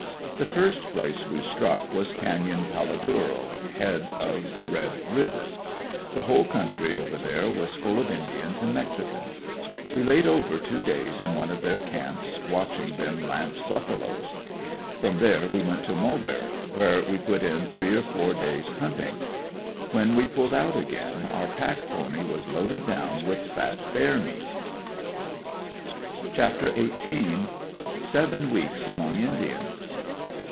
The first place we struck was Canyon Paladuro, head of Red river. The whole country over there was full of indians and mexicans. We laid over two days in one of their camps, watching them lance buffaloes. From there we went to Mulberry where we put in three or four days hunting. When we pulled out again our pack pony was loaded down with fat bear meat. CHAPTER XVIII. SEVEN WEEKS AMONG INDIANS.